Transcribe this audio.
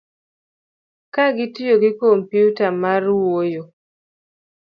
ka gitiyo gi kompyuta mar wuoyo